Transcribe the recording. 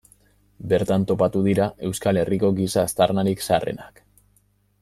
Bertan topatu dira Euskal Herriko giza aztarnarik zaharrenak.